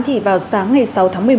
thì vào sáng ngày sáu tháng một mươi một